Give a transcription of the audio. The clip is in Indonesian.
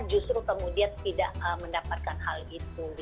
justru kemudian tidak mendapatkan hal itu